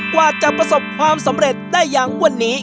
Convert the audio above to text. กว่าจะประสบความสำเร็จได้อย่างวันนี้